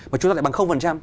mà chúng ta lại bằng